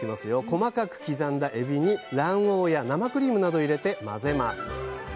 細かく刻んだエビに卵黄や生クリームなどを入れて混ぜます。